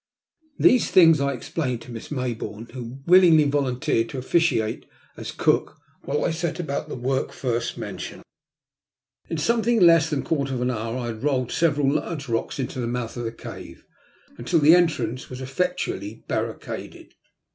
These things I explained to Miss Mayboume, who willingly volunteered to officiate as cook while I set about the work first mentioned. In something less than a quarter of an hour I had rolled several large rocks into the mouth of the cave, and upon these had placed others until the entrance was effectually barricaded.